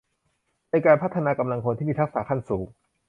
ในการพัฒนากำลังคนที่มีทักษะขั้นสูง